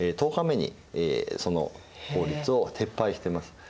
１０日目にその法律を撤廃しています。